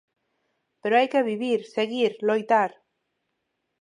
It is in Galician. Pero hai que vivir, seguir, loitar.